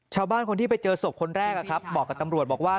ชาวบ้านคนที่ไปเจอศพคนแรกบอกกับตำรวจบอกว่า